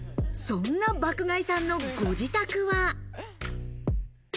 そんな爆買いさんのご自宅は。